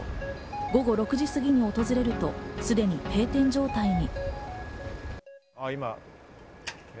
午後６時過ぎに訪れるとすでに閉店状態に。